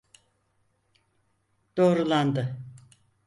Doğrulandı.